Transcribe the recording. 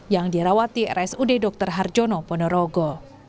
yang dirawati rsud dr harjono ponorogo